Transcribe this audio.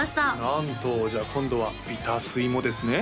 なんとじゃあ今度はビタスイもですね？